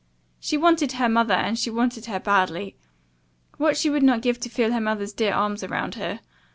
She wanted her mother and she wanted her badly. What would she not give to feel her mother's dear arms around her.